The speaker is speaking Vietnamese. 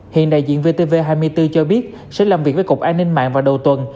hiện đại diện vtv hai mươi bốn cho biết sẽ làm việc với cục an ninh mạng vào đầu tuần